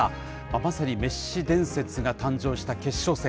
まさにメッシ伝説が誕生した決勝戦。